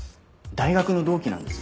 大学の同期なんです。